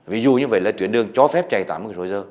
ví dụ như vậy là tuyến đường cho phép chạy tám mươi kmh